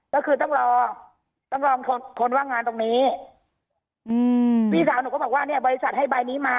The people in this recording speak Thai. ก็คือต้องรอต้องรอคนคนว่างงานตรงนี้อืมพี่สาวหนูก็บอกว่าเนี่ยบริษัทให้ใบนี้มา